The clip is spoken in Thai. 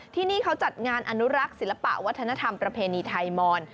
ที่นี่เขาจัดงานอนุรักษ์ศิลปะวัฒนธรรมประเพณีไทยมอน